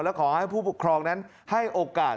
และขอให้ผู้ปกครองนั้นให้โอกาส